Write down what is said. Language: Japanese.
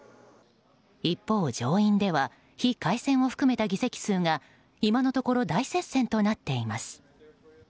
一方、上院では非改選を含めた議席数が今のところ大接戦となっています。